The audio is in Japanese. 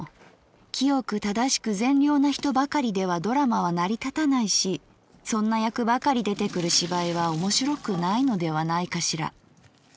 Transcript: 清く正しく善良な人ばかりではドラマは成り立たないしそんな役ばかり出てくる芝居は面白くないのではないかしら。